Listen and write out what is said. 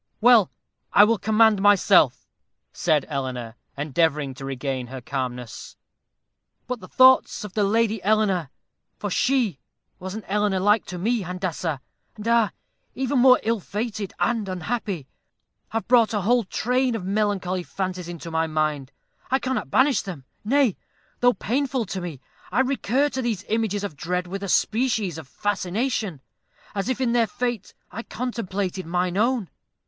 "Well, I will command myself," said Eleanor, endeavoring to regain her calmness; "but the thoughts of the Lady Eleanor for she was an Eleanor like to me, Handassah and ah! even more ill fated and unhappy have brought a whole train of melancholy fancies into my mind. I cannot banish them: nay, though painful to me, I recur to these images of dread with a species of fascination, as if in their fate I contemplated mine own.